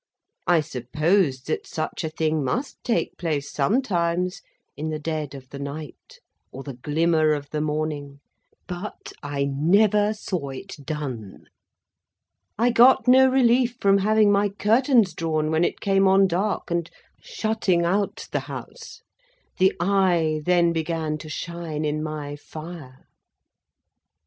I supposed that such a thing must take place sometimes, in the dead of the night, or the glimmer of the morning; but, I never saw it done. I got no relief from having my curtains drawn when it came on dark, and shutting out the House. The Eye then began to shine in my fire.